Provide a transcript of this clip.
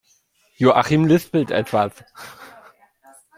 Joachim lispelt etwas.